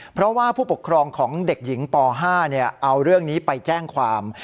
เพราะว่าผู้ปกครองของเด็กหญิงป๕เอาเรื่องนี้ไปแจ้งความ